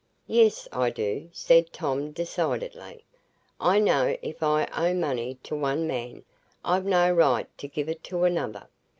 "Yes, I do," said Tom, decidedly. "I know if I owe money to one man, I've no right to give it to another.